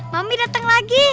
mami dateng lagi